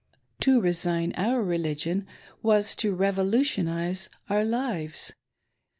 To resign our religion was to revolutionize our lives.